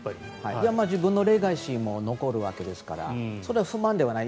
自分のレガシーも残るわけですからそれは不満ではない。